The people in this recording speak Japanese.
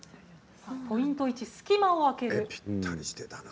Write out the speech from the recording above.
ポイント１、隙間を空ける。